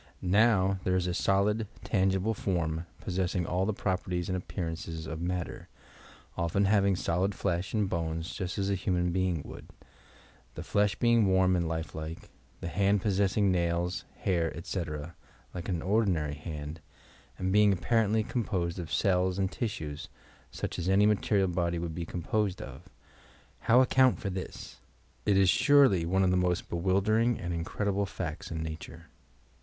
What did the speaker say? Now, there is a solid, tangible form possessing all the properties and appearances of matter, often having solid 3esh and bones just as a human being would, — the flesh being warm and life lilce, the hand possessing nails, hair, etc., like an ordinary hand, and being apparently composed of cells and tia sues, such as any material body would be composed of! How account for this I It is surely one of the most be wildering and incredible facts in Nature.